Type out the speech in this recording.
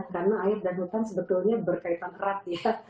karena air dan hutan sebetulnya berkaitan erat ya